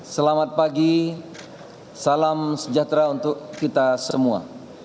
selamat pagi salam sejahtera untuk kita semua